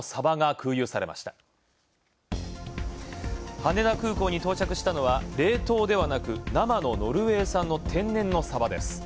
羽田空港に到着したのは冷凍ではなく生のノルウェー産の天然のサバです